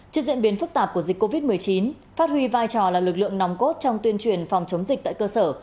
trước diễn biến phức tạp của dịch covid một mươi chín phát huy vai trò là lực lượng nòng cốt trong tuyên truyền phòng chống dịch tại cơ sở